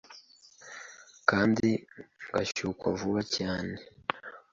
kandi ngashyukwa vuba cyane